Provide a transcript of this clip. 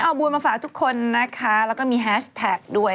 เอาบุญมาฝากทุกคนนะคะแล้วก็มีแฮชแท็กด้วย